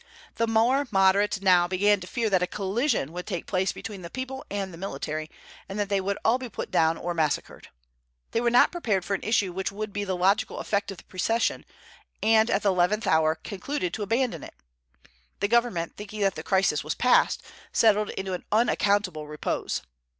The more moderate now began to fear that a collision would take place between the people and the military, and that they would all be put down or massacred. They were not prepared for an issue which would be the logical effect of the procession, and at the eleventh hour concluded to abandon it. The government, thinking that the crisis was passed, settled into an unaccountable repose.